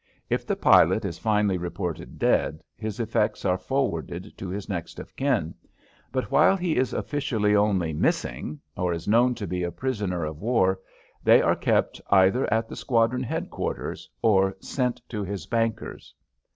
If the pilot is finally reported dead, his effects are forwarded to his next of kin, but while he is officially only "missing" or is known to be a prisoner of war they are kept either at the squadron headquarters or sent to his banker's.